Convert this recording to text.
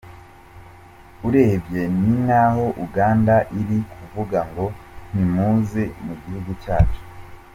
Urebye ni nk’aho Uganda iri kuvuga ngo ntimuze mu gihugu cyacu.”